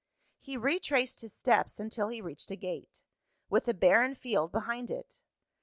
He retraced his steps, until he reached a gate with a barren field behind it.